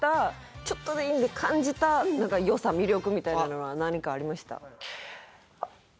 ちょっとでいいんで感じた何か良さ魅力みたいなのは何かありました？